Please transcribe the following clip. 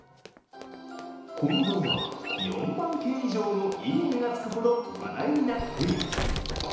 この動画は、４万件以上のいいねがつくほど話題になっています。